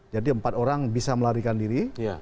jadi empat orang bisa melarikan diri